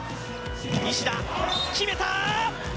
西田、決めた！